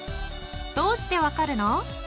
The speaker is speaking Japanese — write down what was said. どうしてわかるの？